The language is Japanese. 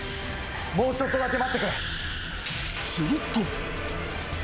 もうちょっとだけ待ってくれ。